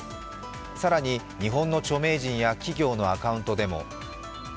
更に日本の著名人や企業のアカウントでも。